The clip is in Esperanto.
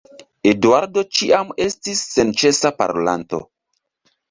Eduardo ĉiam estis senĉesa parolanto.